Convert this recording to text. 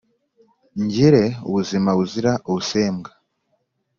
Ngire ubuzima buzira ubusembwa